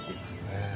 へえ。